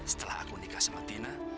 setelah aku nikah sama tina